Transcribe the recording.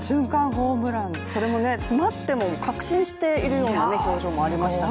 ホームラン、それも詰まっても確信している表情もありましたし。